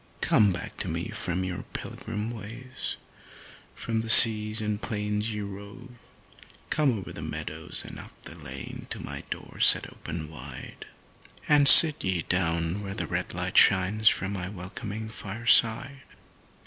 Come back to me from your pilgrim ways, from the seas and plains ye rove, Come over the meadows and up the lane to my door set open wide, And sit ye down where the red light shines from my welcoming fireside.